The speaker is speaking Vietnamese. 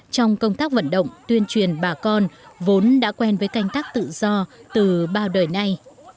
trong công tác vận động tuyên truyền bà con vốn đã quen với canh tác tự do từ bao đời nay